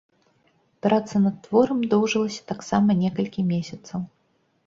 Праца над творам доўжылася таксама некалькі месяцаў.